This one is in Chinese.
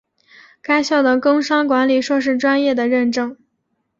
该校的工商管理硕士专业的认证。